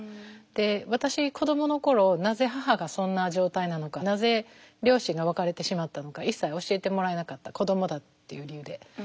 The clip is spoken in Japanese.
で私子どもの頃なぜ母がそんな状態なのかなぜ両親が別れてしまったのか一切教えてもらえなかった子どもだっていう理由で。